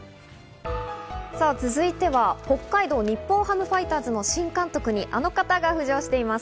続いては北海道日本ハムファイターズの新監督にあの方が浮上しています。